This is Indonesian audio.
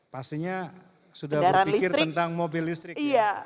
pastinya sudah berpikir tentang mobil listrik